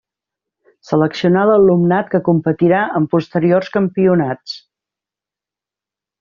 Seleccionar l'alumnat que competirà en posteriors campionats.